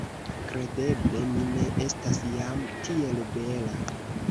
Kredeble mi ne estas jam tiel bela!